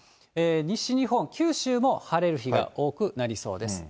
西日本、九州も晴れる日が多くなりそうです。